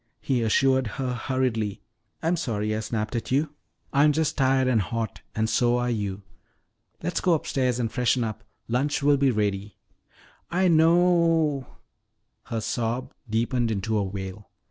he assured her hurriedly. "I'm sorry I snapped at you. I'm just tired and hot, and so are you. Let's go upstairs and freshen up. Lunch will be ready " "I kno o ow " her sob deepened into a wail.